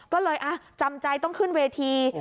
ก็เลยจำใจต้องขึ้นเวที